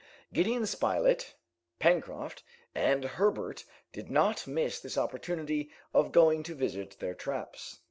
Gideon Spilett, Pencroft, and Herbert did not miss this opportunity of going to visit their traps.